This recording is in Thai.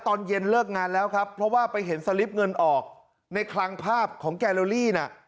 ตอนเย็นเลิกงานแล้วครับเพราะว่าไปเห็นสลิปเงินออกในคลังภาพของแกโลลี่น่ะ